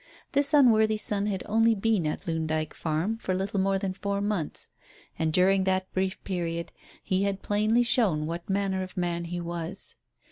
This unworthy son had only been at Loon Dyke Farm for little more than four months, and during that brief period he had plainly shown what manner of man he was.